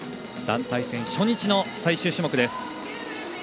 団体戦初日の最終種目です。